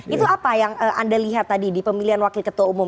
itu apa yang anda lihat tadi di pemilihan wakil ketua umum